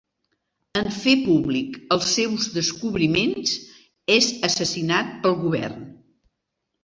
En fer públic els seus descobriments és assassinat pel govern.